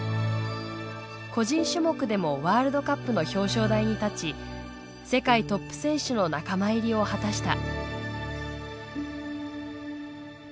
個人種目でもワールドカップの表彰台に立ち世界トップ選手の仲間入りを果たした。